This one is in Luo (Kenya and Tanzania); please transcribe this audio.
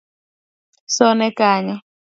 Sone kanyo